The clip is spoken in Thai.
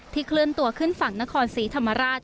เคลื่อนตัวขึ้นฝั่งนครศรีธรรมราช